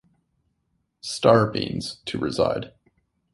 "Star" means, "to reside".